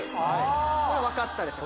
分かったでしょ？